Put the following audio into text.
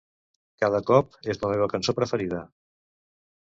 "Cada cop" és la meva cançó preferida.